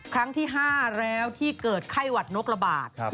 ครั้งที่๕แล้วที่เกิดไข้หวัดนกระบาด